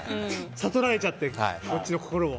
悟られちゃってこっちの心を。